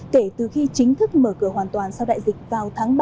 kể từ khi chính thức mở cửa hoàn toàn sau đại dịch vào tháng ba